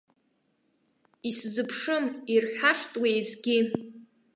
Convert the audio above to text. Исзыԥшым ирҳәашт уеизгьы.